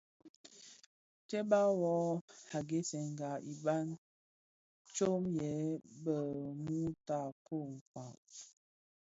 Tsèba wua a ghèsèga iba tsom yè bheg mum tafog kpag.